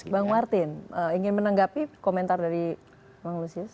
bang martin ingin menanggapi komentar dari bang lusius